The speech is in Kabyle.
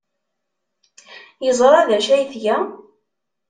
Yeẓra d acu ay tga?